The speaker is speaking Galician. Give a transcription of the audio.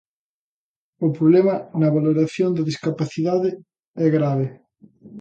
O problema na valoración da discapacidade é grave.